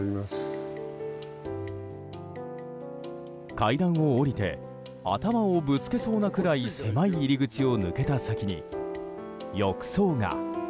階段を下りて頭をぶつけそうなくらい狭い入り口を抜けた先に浴槽が。